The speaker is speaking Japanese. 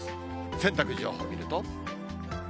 洗濯情報見ると。